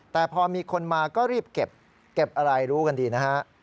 แต่พอมีคนมาก็รีบเก็บอะไรรู้กันดีนะฮะ